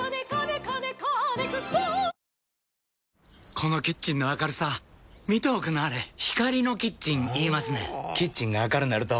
このキッチンの明るさ見ておくんなはれ光のキッチン言いますねんほぉキッチンが明るなると・・・